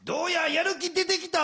やる気出てきた？